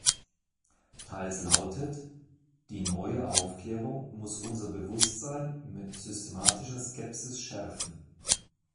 Teils lautet: Die Neue Aufklärung muss unser Bewusstsein mit systematischer Skepsis schärfen.